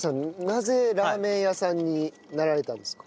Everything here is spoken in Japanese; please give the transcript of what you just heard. なぜラーメン屋さんになられたんですか？